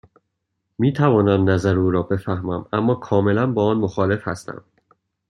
می توانم نظر او را بفهمم، اما کاملا با آن مخالف هستم.